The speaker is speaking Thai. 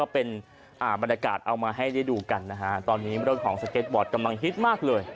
เป็นบรรยากาศเอามาให้ได้ดูกันนะฮะตอนนี้เรื่องของสเก็ตบอร์ดกำลังฮิตมากเลย